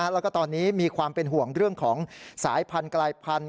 แล้วก็ตอนนี้มีความเป็นห่วงเรื่องของสายพันธุ์กลายพันธุ